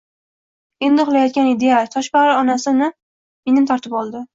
Endi uxlayotgan edi-ya, toshbag`ir onasi uni mendan tortib oldi